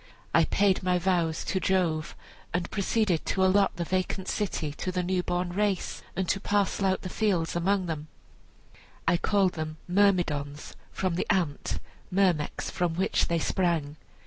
I paid my vows to Jove, and proceeded to allot the vacant city to the new born race, and to parcel out the fields among them I called them Myrmidons, from the ant (myrmex) from which they sprang.